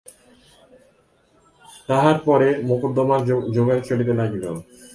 তাহার পরে মকদ্দমার জোগাড় চলিতে লাগিল।